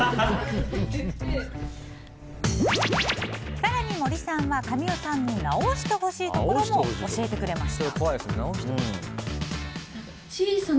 更に森さんは神尾さんに直してほしいところも教えてくれました。